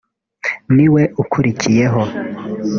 ni we ukuriyeho